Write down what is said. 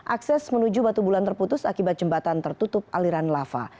akses menuju batu bulan terputus akibat jembatan tertutup aliran lava